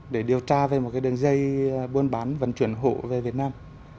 để điều tra về một cái đường dây buôn bán vận chuyển hộ về việt nam